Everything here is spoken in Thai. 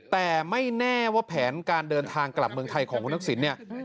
แต่ไม่แน่ว่าแผนการเดินทางกลับเมืองไทยของคุณทักษิณเนี่ย